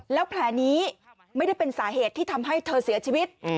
แล้วแผลนี้ไม่ได้เป็นสาเหตุที่ทำให้เธอเสียชีวิต